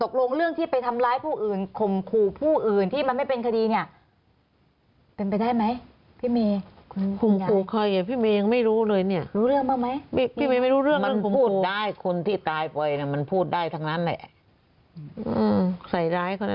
ก็เรื่องที่ไปทำร้ายคุมคู่ผู้อื่นที่ไม่เป็นคดี